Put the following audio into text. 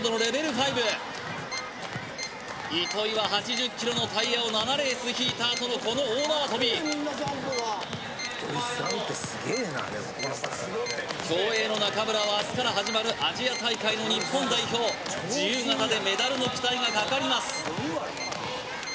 ５糸井は８０ｋｇのタイヤを７レース引いたあとのこの大縄跳び糸井さんってすげえなでも競泳の中村は明日から始まるアジア大会の日本代表自由形でメダルの期待がかかります